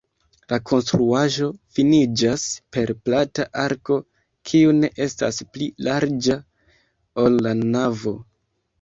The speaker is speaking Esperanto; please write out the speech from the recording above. La konstruaĵo finiĝas per plata arko, kiu ne estas pli larĝa, ol la navo.